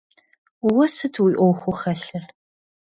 Уэ сыт уи ӏуэхуу хэлъыр?